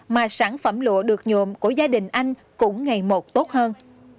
mà sản phẩm lụa được nhộm của gia đình anh cũng ngày một tốt hơn